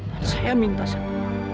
dan saya minta satu